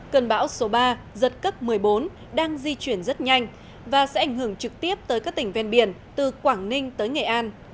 cơn bão số ba giật cấp một mươi bốn đang di chuyển rất nhanh và sẽ ảnh hưởng trực tiếp tới các tỉnh ven biển từ quảng ninh tới nghệ an